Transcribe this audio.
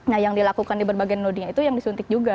nah yang dilakukan di berbagai media itu yang disuntik juga